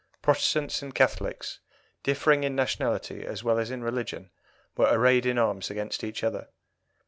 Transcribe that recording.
Protestants and Catholics, differing in nationality as well as in religion, were arrayed in arms against each other.